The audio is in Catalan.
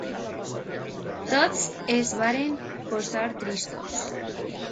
Tots es varen posar tristos.